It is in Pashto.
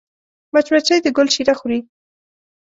مچمچۍ د ګل شیره خوښوي